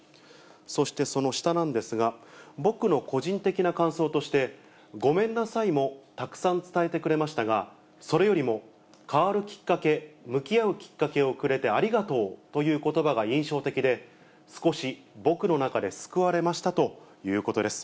そしてその下なんですが、僕の個人的な感想として、ごめんなさいもたくさん伝えてくれましたが、それよりも、変わるきっかけ、向き合うきっかけをくれて、ありがとうということばが印象的で、少し僕の中で救われましたということです。